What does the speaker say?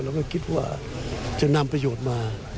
แล้วก็คิดว่าจะนำประโยชน์มา